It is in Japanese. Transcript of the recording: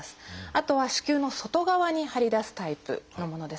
あとは子宮の外側に張り出すタイプのものです。